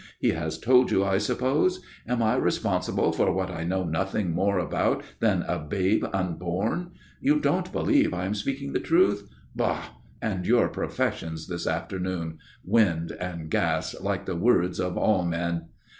He has told you, I suppose. Am I responsible for what I know nothing more about than a babe unborn? You don't believe I am speaking the truth? Bah! And your professions this afternoon? Wind and gas, like the words of all men."